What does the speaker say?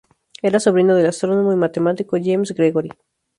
Era sobrino del astrónomo y matemático James Gregory.